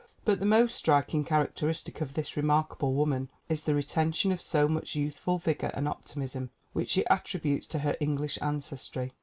But the most striking characteristic of this remark able woman is the retention of so rfmch youthful vigor and optimism, which she attributes to her English ancestry.